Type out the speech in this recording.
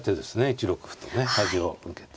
１六歩とね端を受けて。